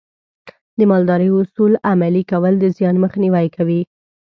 د مالدارۍ اصول عملي کول د زیان مخنیوی کوي.